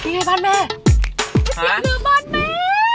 เตี๋ยวเรือบ้านแม่นี่ใช่เตี๋ยวเรือบ้านแม่